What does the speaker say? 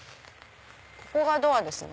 ここがドアですね。